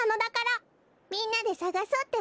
みんなでさがそうってわけね！